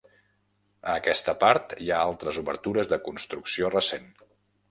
A aquesta part hi ha altres obertures de construcció recent.